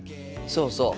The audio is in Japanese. そうそう。